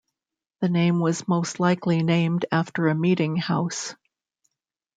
The name was most likely named after a meeting house.